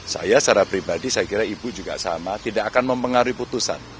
saya secara pribadi saya kira ibu juga sama tidak akan mempengaruhi putusan